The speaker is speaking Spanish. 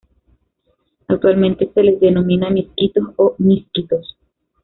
Actualmente se les denomina "misquitos" o "miskitos".